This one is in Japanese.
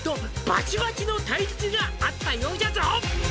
「バチバチの対立があったようじゃぞ」